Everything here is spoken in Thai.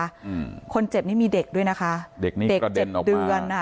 อืมคนเจ็บนี่มีเด็กด้วยนะคะเด็กนี่เด็กเจ็ดเดือนอ่ะ